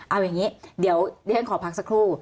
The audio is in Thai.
เอาอย่างนี้เดี๋ยวดิฉันขอพักสักครู่